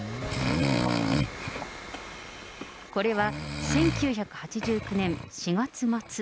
これは１９８９年４月末。